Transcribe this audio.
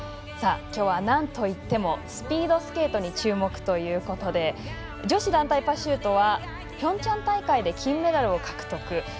きょうは、なんといってもスピードスケートに注目ということで女子団体パシュートはピョンチャン大会で金メダルを獲得。